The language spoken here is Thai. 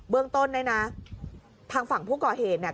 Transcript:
เรื่องต้นเนี่ยนะทางฝั่งผู้ก่อเหตุเนี่ย